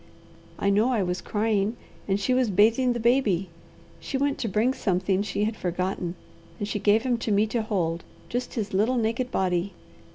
I know I was crying, and she was bathing the baby. She went to bring something she had forgotten, and she gave him to me to hold, just his little naked body.